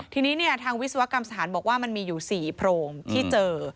ทีนี้ทางวิศวกรรมสถานบอกว่ามันมีอยู่๔โพรงที่เจอ